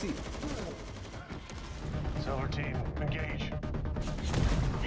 ini adalah tim kita engajikan